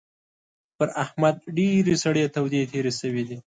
پر احمد ډېرې سړې تودې تېرې شوې دي.